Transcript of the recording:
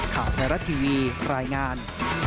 ข่าวไทยรัฐทีวีรายงาน